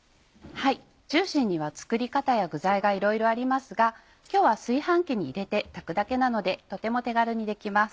ジューシーには作り方や具材がいろいろありますが今日は炊飯器に入れて炊くだけなのでとても手軽にできます。